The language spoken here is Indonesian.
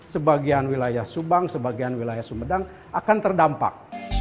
sebagian wilayah subang sebagian wilayah sumedang akan terdampak